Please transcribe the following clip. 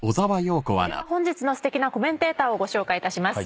では本日のすてきなコメンテーターをご紹介いたします。